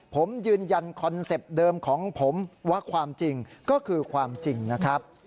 ผมยืนยันคอนเซ็ปต์เดิมของผมว่าความจริงก็คือความจริงนะครับ